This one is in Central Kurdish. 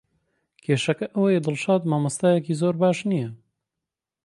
کێشەکە ئەوەیە دڵشاد مامۆستایەکی زۆر باش نییە.